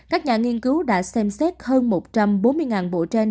các nhà nghiên cứu đã xem xét hơn một trăm bốn mươi bộ trên